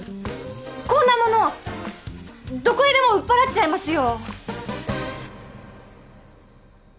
こんなものどこへでも売っ払っちゃいますよ！